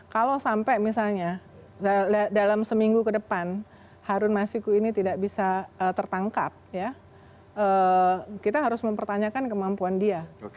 kalau sampai misalnya dalam seminggu ke depan harun masiku ini tidak bisa tertangkap ya kita harus mempertanyakan kemampuan dia